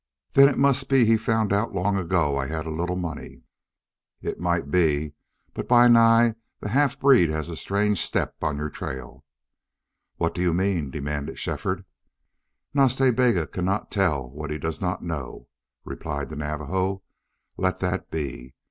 "Then it must be he found out long ago I had a little money." "It might be. But, Bi Nai, the half breed has a strange step on your trail." "What do you mean?" demanded Shefford. "Nas Ta Bega cannot tell what he does not know," replied the Navajo. "Let that be.